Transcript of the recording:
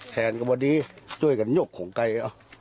แขนกับว่าดีด้วยกันยกของใก่อ่ะ